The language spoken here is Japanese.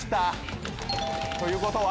ということは？